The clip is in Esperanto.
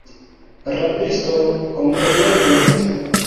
Rabisto, kompreneble!